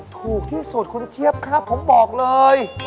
ถูกที่สุดคุณเจี๊ยบครับผมบอกเลย